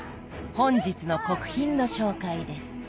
本日の国賓の紹介です。